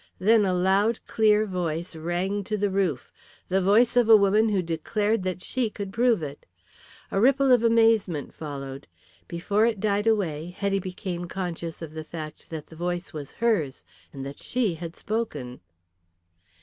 Then a loud clear voice rang to the roof, the voice of a woman who declared that she could prove it. A ripple of amazement followed. Before it died away Hetty became conscious of the fact that the voice was hers, and that she had spoken.